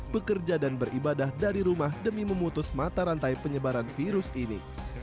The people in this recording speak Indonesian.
bekerja dan beribadah dari rumah demi memutus mata rantai penyebaran virus ini